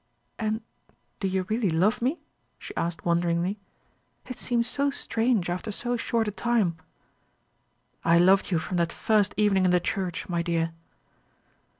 "And do you really love me?" she asked wonderingly. "It seems so strange after so short a time." "I loved you from that first evening in the church, my dear."